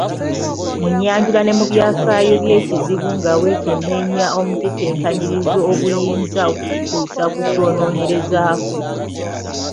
Mu nnyanjula ne mu byafaayo by’ekizibu nga weekeneenya omutetenkanyirizo oguyinza okukutuusa ku ky’onoonyerezaako